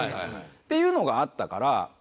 っていうのがあったから。